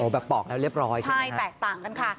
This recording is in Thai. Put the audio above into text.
แบบปอกแล้วเรียบร้อยใช่แตกต่างกันค่ะ